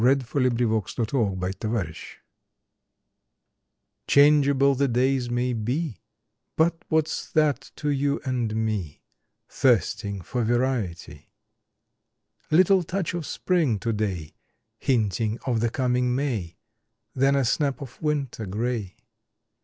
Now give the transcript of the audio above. February Third THE PLAN c "HANGEABLE the days may be, > "/ But what s that to you and me, Thirsting for variety? Little touch of spring to day Hinting of the coming May Then a snap of winter gray.